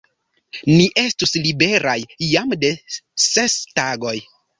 Ni estus liberaj jam de ses tagoj!